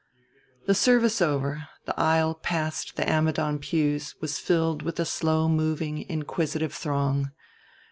The service over, the aisle past the Ammidon pews was filled with a slow moving inquisitive throng.